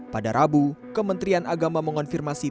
pada rabu kementerian agama mengonfirmasi